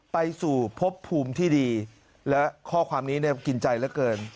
ไปสู่พบภูมิที่ดีและข้อความนี้เนี่ยกินใจเหลือเกิน